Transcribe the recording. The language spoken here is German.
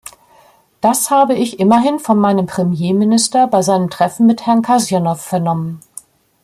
Das habe ich immerhin von meinem Premierminister bei seinem Treffen mit Herrn Kasjanow vernommen.